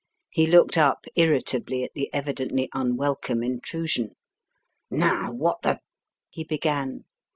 He looked up irritably at the evidently unwelcome intrusion. "Now, what the " he began.